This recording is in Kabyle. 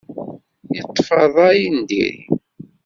Yeṭṭef rray n diri.